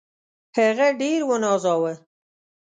هغه ډېر ونازاوه.